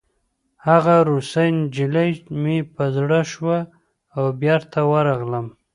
هغه روسۍ نجلۍ مې په زړه شوه او بېرته ورغلم